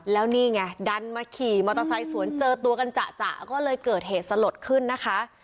แล้วนี่ไงดันมาขี่มอเตอร์ไซค์สวนเจอตัวกันจ่ะก็เลยเกิดเหตุสลดขึ้นนะคะ